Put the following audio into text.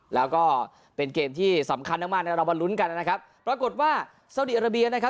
แล้วก็เป็นเกมที่สำคัญมาก